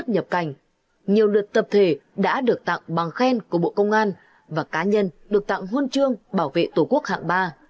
nhiều lượt tập thể đã được tặng bằng khen của bộ công an và cá nhân được tặng huân chương bảo vệ tổ quốc hạng ba